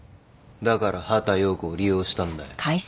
だから畑葉子を利用したんだよ。